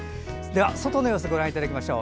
外の様子ご覧いただきましょう。